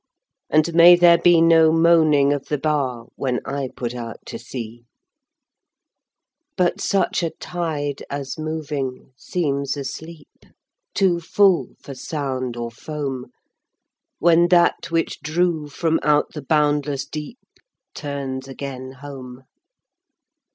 And may there be no moaning of the bar, When I put out to sea, But such a tide as moving seems asleep, Too full for sound or foam, When that which drew from out the boundless deep Turns again home.